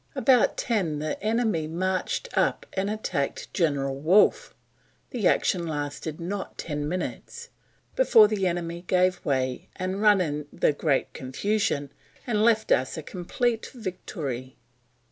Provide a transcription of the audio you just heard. About 10 the enemy march'd up and attacked General Wolfe, the action lasted not 10 minutes before the Enemy gave way and run in the Greatest Confusion and left us a compleat Victuary.